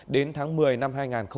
đến tháng một mươi năm hai nghìn hai mươi